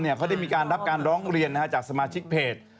เขาได้มีการรับการร้องเรียนจากสมาชิกเพจ